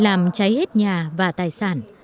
làm cháy hết nhà và tài sản